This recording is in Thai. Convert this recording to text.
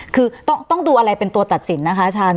คือต้องดูอะไรเป็นตัวตัดสินนะคะอาจารย์